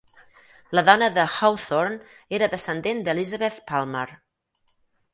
La dona de Hawthorne era descendent d'Elizabeth Palmer.